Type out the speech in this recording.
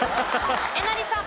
えなりさん。